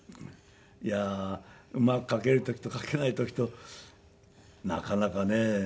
いやあうまく描ける時と描けない時となかなかね。